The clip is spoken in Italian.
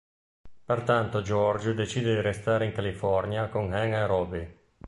Pertanto George decide di restare in California con Ann e Robbie.